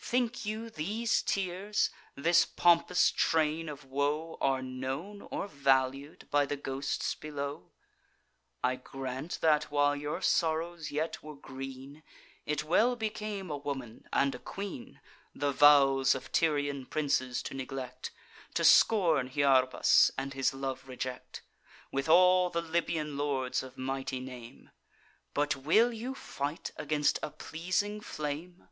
Think you these tears, this pompous train of woe, Are known or valued by the ghosts below? I grant that, while your sorrows yet were green, It well became a woman, and a queen, The vows of Tyrian princes to neglect, To scorn Hyarbas, and his love reject, With all the Libyan lords of mighty name; But will you fight against a pleasing flame!